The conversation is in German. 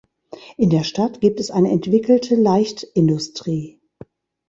In der Stadt gibt es eine entwickelte Leichtindustrie.